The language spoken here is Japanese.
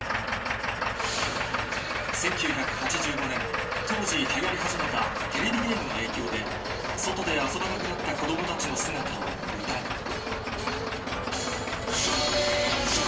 １９８５年当時流行り始めたテレビゲームの影響で外で遊ばなくなった子供たちの姿を歌に